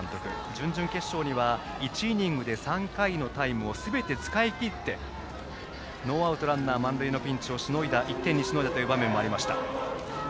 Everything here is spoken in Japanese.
準々決勝では１イニングで３回のタイムをすべて使い切って、ノーアウトランナー満塁のピンチを１点にしのいだ場面もありました。